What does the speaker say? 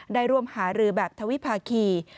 ได้ร่วมหารือแบบทวิภาคี